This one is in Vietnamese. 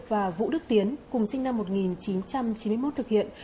và vũ đức tiến cùng sinh năm một nghìn chín trăm chín mươi một thực hiện